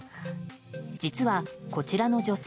実は、こちらの女性。